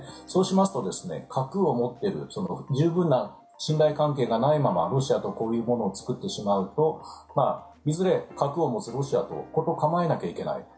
そうしますと核を持っている十分な信頼関係がないままロシアとこういうものを作ってしまうといずれ、核を持つロシアと事を構えなきゃいけない。